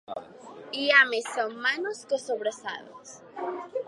Hi ha més setmanes que sobrassades.